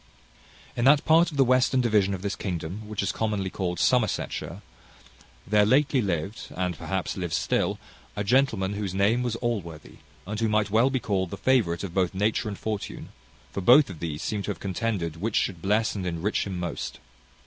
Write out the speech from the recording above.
In that part of the western division of this kingdom which is commonly called Somersetshire, there lately lived, and perhaps lives still, a gentleman whose name was Allworthy, and who might well be called the favourite of both nature and fortune; for both of these seem to have contended which should bless and enrich him most.